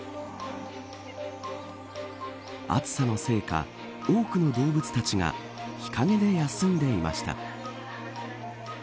暑さのせいか多くの動物たちが日陰で休んでいました。